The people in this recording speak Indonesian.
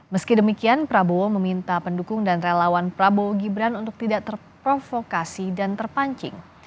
meski demikian prabowo meminta pendukung dan relawan prabowo gibran untuk tidak terprovokasi dan terpancing